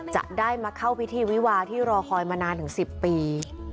จะได้มาเข้าพิธีวิวาที่รอคอยมานานถึง๑๐ปี